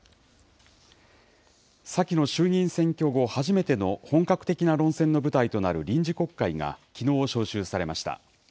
先の衆議院選挙後、初めての本格的な論戦の舞台となる臨時国会がきのう召集されました。